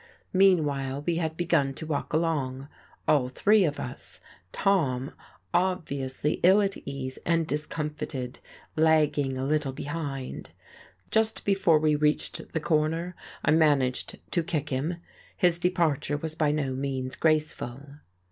Meanwhile we had begun to walk along, all three of us, Tom, obviously ill at ease and discomfited, lagging a little behind. Just before we reached the corner I managed to kick him. His departure was by no means graceful.